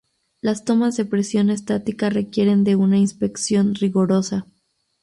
Las tomas de presión estática requieren de una inspección rigurosa.